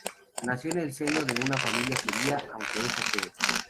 Nació en el seno de una familia judía, aunque es ateo.